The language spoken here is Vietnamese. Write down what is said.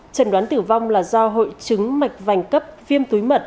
trần đoán tử vong là do hội chứng mạch vành cấp viêm túi mật